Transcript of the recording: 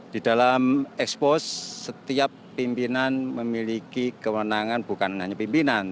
di dalam ekspos setiap pimpinan memiliki kewenangan bukan hanya pimpinan